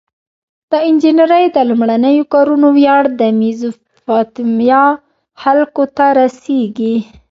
د انجنیری د لومړنیو کارونو ویاړ د میزوپتامیا خلکو ته رسیږي.